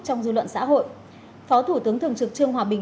trong dư luận xã hội phó thủ tướng thường trực trương hòa bình